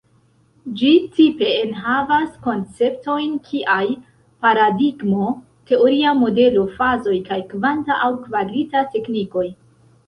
Ĝi, tipe, enhavas konceptojn kiaj paradigmo, teoria modelo, fazoj kaj kvanta aŭ kvalita teknikoj.